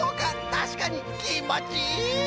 たしかにきんもちいい！